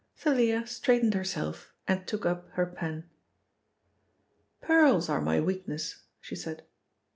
Thalia straightened herself and took up her pen. "Pearls are my weakness," she said.